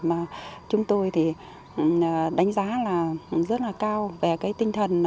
mà chúng tôi đánh giá rất cao về tinh thần của họ